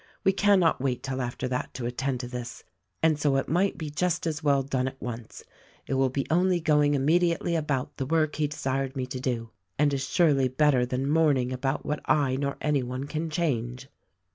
We cannot wait till after that to attend to this, and so it might be just as well done at once; it will be only going immediately 270 THE RECORDING ANGEL about the work he desired me to do, and is surely better than mourning about what I nor any one can change."